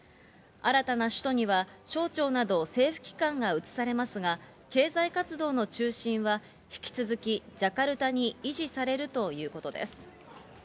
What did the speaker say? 新たな首都には、省庁など政府機関が移されますが、経済活動の中心は、引き続き、ジャカルタに維持されるということです。